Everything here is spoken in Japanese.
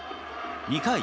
２回。